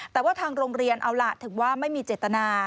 แต่ว่าทางโรงเรียนเอาล่ะถึงว่าไม่มีเจตนา